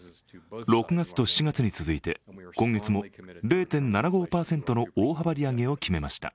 ６月と７月に続いて今月も０．７５％の大幅利上げを決めました。